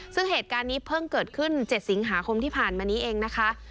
ซึ่งเหตุการณ์นี้เพิ่งเกิดขึ้น๗สิงหาคมที่ผ่านมานี้เองนะคะ